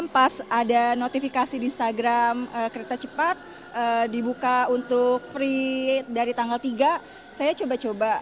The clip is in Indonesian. pas ada notifikasi di instagram kereta cepat dibuka untuk free dari tanggal tiga saya coba coba